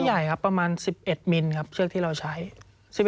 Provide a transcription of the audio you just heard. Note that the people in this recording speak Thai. ใหญ่ครับประมาณ๑๑มิลครับเชือกที่เราใช้๑๑